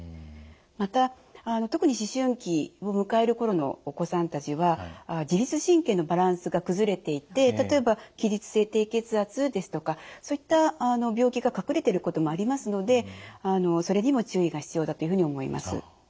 また特に思春期を迎える頃のお子さんたちは自律神経のバランスが崩れていて例えば起立性低血圧ですとかそういった病気が隠れてることもありますのでそれにも注意が必要だというふうに思います。